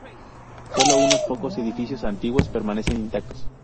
Sólo unos pocos edificios antiguos permanecen intactos.